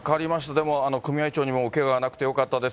でも組合長にもおけががなくてよかったです。